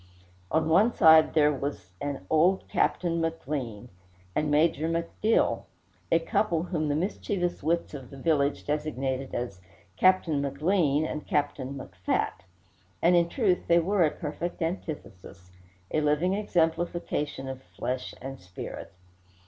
On one side there was an old Captain McLean, and Major McDill, a couple whom the mischievous wits of the village designated as Captain McLean and Captain McFat; and, in truth, they were a perfect antithesis, a living exemplification of flesh and spirit.